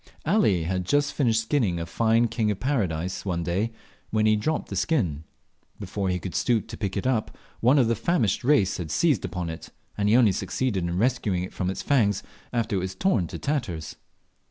Ali had just finished skinning a fine King Bird of Paradise one day, when he dropped the skin. Before he could stoop to pick it up, one of this famished race had seized upon it, and he only succeeded in rescuing it from its fangs after it was torn to tatters.